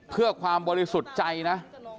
เพื่อความบริสุทธิ์ใจนะ